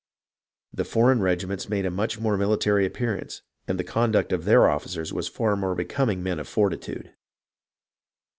The foreign regiments made a much more military appearance, and the conduct of their officers was far more becoming men of forti tude."